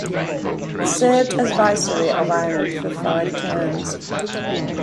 He served as Viceroy of Ireland for five terms.